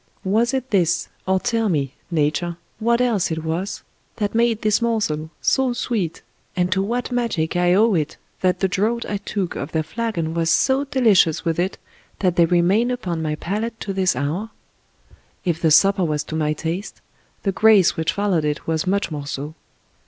Was it this, or tell me, Nature, what else it was that made this morsel so sweet, and to what magic I owe it that the draught I took of their flagon was so delicious with it that they remain upon my palate to this hour? If the supper was to my taste, the gjace which followed it was much more so.